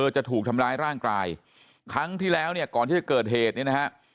จะถูกทำร้ายร่างกายครั้งที่แล้วเนี่ยก่อนที่จะเกิดเหตุเนี่ยนะฮะ